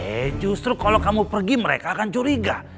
eh justru kalau kamu pergi mereka akan curiga